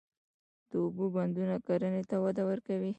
د اوبو بندونه کرنې ته وده ورکوي.